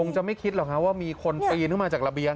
จะไม่คิดหรอกฮะว่ามีคนปีนเข้ามาจากระเบียง